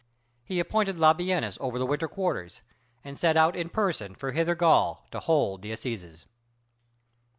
He appointed Labienus over the winter quarters, and set out in person for hither Gaul to hold the assizes.